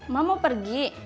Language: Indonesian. mak mau pergi